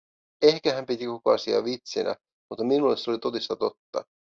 Ehkä hän piti koko asiaa vitsinä, mutta minulle se oli totista totta.